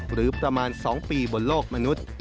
หรือประมาณ๒ปีบนโลกมนุษย์